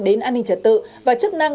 đến an ninh trật tự và chức năng